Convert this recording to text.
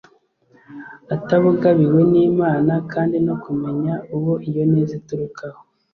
atabugabiwe n'imana, kandi no kumenya uwo iyo neza iturukaho